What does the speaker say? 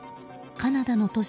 カナダの都市